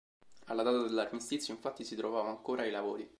Alla data dell'armistizio, infatti, si trovava ancora ai lavori.